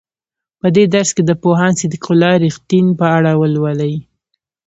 په دې درس کې د پوهاند صدیق الله رښتین په اړه ولولئ.